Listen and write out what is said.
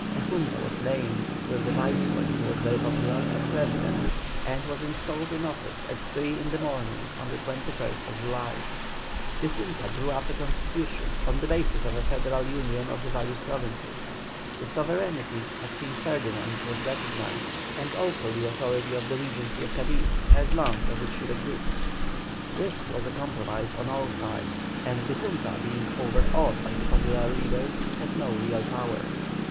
A Junta was named, with the Viceroy, who was very popular, as President, and was installed in office at three in the morning of the 21st July. The Junta drew up a constitution, on the basis of a federal union of the various provinces. The sovereignty of King Ferdinand was recognised, and also the authority of the Regency of Cadiz, so long as it should exist. This was a compromise on all sides, and the Junta being overawed by the popular leaders, had no real power.